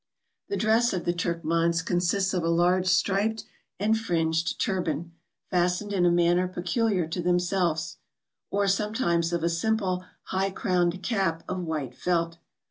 The dress of the Turkmans consists of a large striped and fringed turban, fastened in a manner peculiar to 'themselves; or sometimes of a simple high crowned cap of white felt.